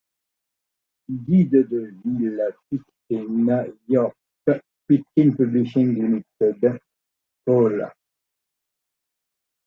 Guides de ville Pitkin, York, Pitkin Publishing Ltd, coll.